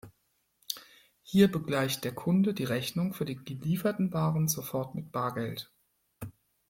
Hier begleicht der Kunde die Rechnung für die gelieferten Waren sofort mit Bargeld.